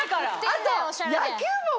あと。